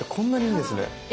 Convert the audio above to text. いいですね。